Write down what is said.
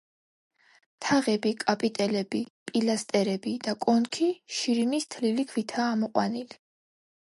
თაღები, კაპიტელები, პილასტრები და კონქი შირიმის თლილი ქვითაა ამოყვანილი.